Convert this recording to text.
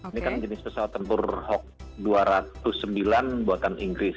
ini kan jenis pesawat tempur hawk dua ratus sembilan buatan inggris